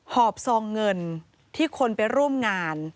หอบซองเงินที่คนไปร่วมงาน